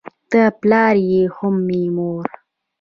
ته پلار یې هم مې مور